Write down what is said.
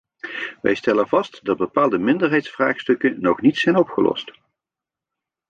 Wij stellen vast dat bepaalde minderheidsvraagstukken nog niet zijn opgelost.